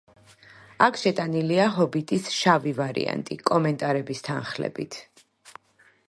აქ შეტანილია „ჰობიტის“ შავი ვარიანტი, კომენტარების თანხლებით.